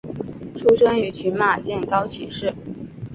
出身于群马县高崎市。